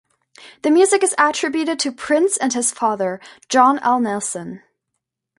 The music is attributed to Prince and his father, John L. Nelson.